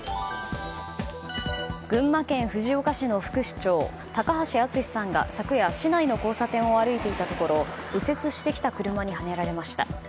群馬県藤岡市の副市長高橋厚さんが昨夜市内の交差点を歩いていたところ右折してきた車にはねられました。